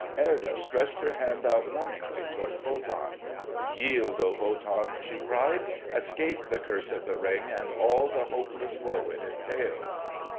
Erda stretched her hand out warningly toward Wotan. "Yield, O Wotan!" she cried. "Escape the curse of the Ring, and all the hopeless woe it entails!"